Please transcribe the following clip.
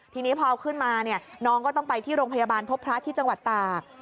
ทีนี้พอเอาขึ้นมาเนี่ยน้องก็ต้องไปที่โรงพยาบาลพบพระที่จังหวัดตาก